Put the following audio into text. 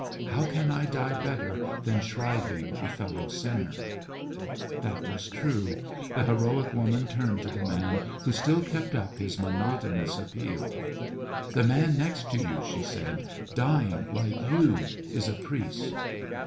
"How can I die better than shriving a fellow sinner?" That was true. The heroic woman turned to the man who still kept up his monotonous appeal. "The man next to you," she said, "dying like you, is a priest."